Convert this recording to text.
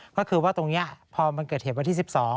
ก็คือว่าตรงนี้พอมันเกิดเหตุวันที่๑๒